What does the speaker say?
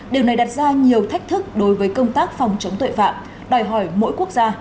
điều này đặt ra nhiều thách thức đối với công tác phòng chống tội phạm đòi hỏi mỗi quốc gia